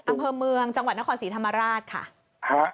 อำเภอเมืองจังหวัดนครศรีธรรมราชค่ะ